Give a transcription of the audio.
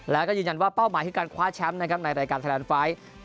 แล้วก็ยืนยันว่าเป้าหมายคือการคว้าแชมป์นะครับในรายการไทยแลนด์ไฟล์